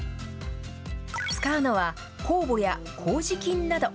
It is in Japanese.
使うのは、酵母やこうじ菌など。